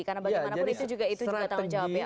karena bagaimanapun itu juga tanggung jawab ya